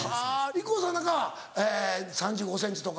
ＩＫＫＯさんなんかはえぇ３５ｃｍとか。